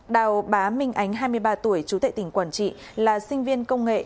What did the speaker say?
đào bá minh ánh hai mươi ba tuổi chú tệ tỉnh quảng trị là sinh viên công nghệ